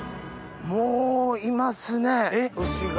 もういますね牛が。